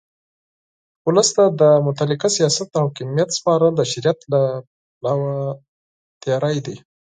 اولس ته د مطلقه سیاست او حاکمیت سپارل د شریعت له پلوه تېرى دئ.